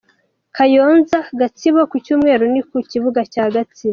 Kayonza-Gatsibo : Ku cyumweru ni ku kibuga cya Gatsibo.